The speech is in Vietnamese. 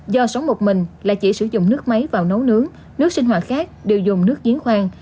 do sống một mình là chỉ sử dụng nước máy vào nấu nướng nước sinh hoạt khác đều dùng nước giếng khoan